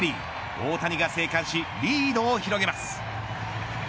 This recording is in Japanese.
大谷が生還しリードを広げます。